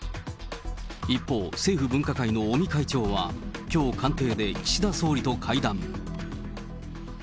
一方、政府分科会の尾身会長は、きょう官邸で岸田総理と会談。